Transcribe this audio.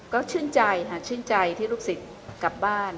ก็ชื่นใจค่ะชื่นใจที่ลูกศิษย์กลับบ้าน